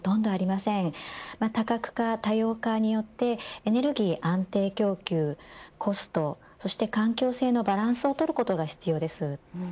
また多角化、多様化によってエネルギー安定供給コストそして環境性のバランスを取ることが必要です。